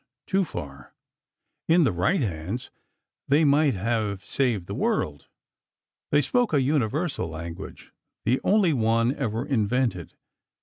too far. In the right hands, they might have saved the world. They spoke a universal language—the only one ever invented.